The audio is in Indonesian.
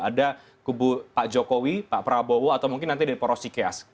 ada kubu pak jokowi pak prabowo atau mungkin nanti di porosikeas